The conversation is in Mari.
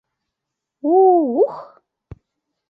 У-у-ух!